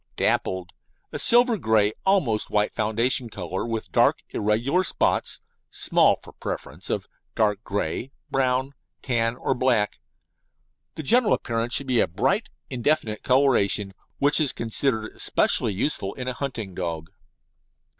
Dappled: A silver grey to almost white foundation colour, with dark, irregular spots (small for preference) of dark grey, brown, tan, or black. The general appearance should be a bright, indefinite coloration, which is considered especially useful in a hunting dog.